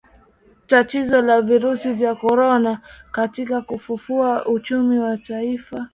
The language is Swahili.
tatizo la virusi vya korona katika kufufua uchumi wa taifa